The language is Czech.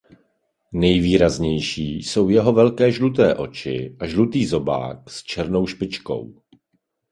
Nejvýraznější jsou jeho velké žluté oči a žlutý zobák s černou špičkou.